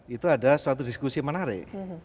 itu ada suatu diskusi menarik